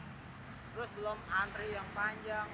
terus belum antri yang panjang